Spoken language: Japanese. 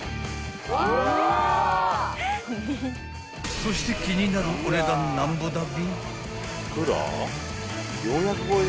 ［そして気になるお値段何ぼだべ？］